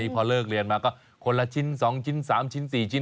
พอเริ่มเรียนมาก็คนละชิ้น๒ชิ้น๓ชิ้น๔ชิ้น๕๑๐ชิ้น